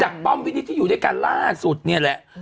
ป้อมวินิตที่อยู่ด้วยกันล่าสุดเนี่ยแหละ